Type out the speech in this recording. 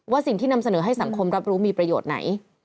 สิ่งที่นำเสนอให้สังคมรับรู้มีประโยชน์ไหน